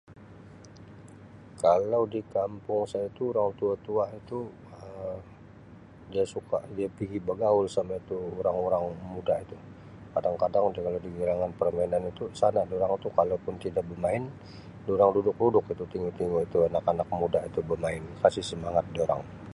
Kalau di kampung saya itu, orang tua-tua itu Um dia suka dia pergi bergaul sama itu orang-orang muda itu, kadang-kadang dorang di gelanggang permainan itu sana dorang itu kalau pun tidak bermain dorang duduk-duduk itu tengok-tengok itu anak-anak muda itu bermain, kasih semangat dorang.